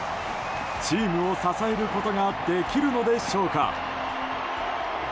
チームを支えることができるのでしょうか。